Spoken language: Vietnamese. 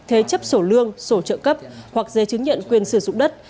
thế chấp sổ lương sổ trợ cấp hoặc giấy chứng nhận quyền sử dụng đất